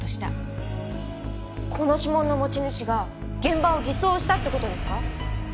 この指紋の持ち主が現場を偽装したって事ですか？